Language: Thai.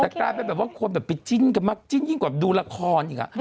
แต่กลายเป็นแบบว่าคนแบบไปจิ้นกันมากจิ้นยิ่งกว่าดูละครอีก